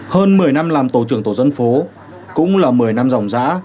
hơn một mươi năm làm tổ trưởng tổ dân phố cũng là một mươi năm dòng giã